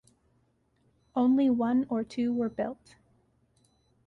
Only one or two were built.